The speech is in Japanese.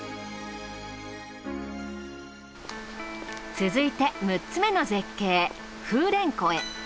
続いて６つ目の絶景風蓮湖へ。